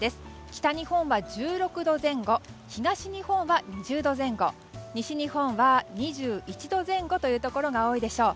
北日本は１６度前後東日本は２０度前後西日本は２１度前後のところが多いでしょう。